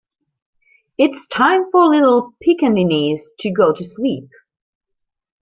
It's time for little Pickaninnies to go to sleep.